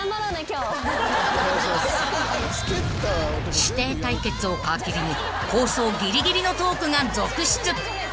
［師弟対決を皮切りに放送ギリギリのトークが続出］